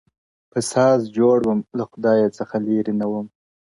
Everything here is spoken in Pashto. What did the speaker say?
په ساز جوړ وم، له خدايه څخه ليري نه وم.